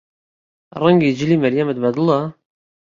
ڕەنگی جلی مەریەمت بەدڵە؟